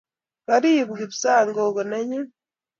Karipu kapsa gogo nenyu